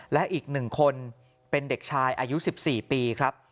และอีก๑คนเป็นเด็กชายอายุ๑๔ปีครับ